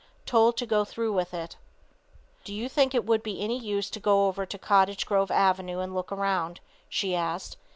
TOLD TO GO THROUGH WITH IT. "Do you think it would be any use to go over to Cottage Grove avenue and look around?" she asked.